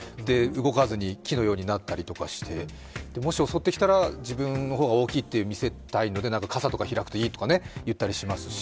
動かずに、木のようになったりとかしてもし襲ってきたら自分の方が大きいと見せたいので傘とか開くといいとか言ったりしますし。